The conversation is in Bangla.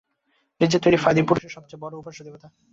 নিজের তৈরি ফাঁদই পুরুষের সব চেয়ে বড়ো উপাস্য দেবতা।